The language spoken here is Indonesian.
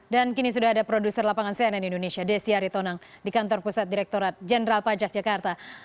dan kini sudah ada produser lapangan cnn indonesia desi aritonang di kantor pusat direkturat jenderal pajak jakarta